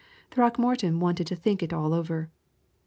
Throckmorton wanted to think it all over.